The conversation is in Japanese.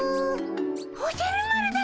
おじゃる丸だっピ。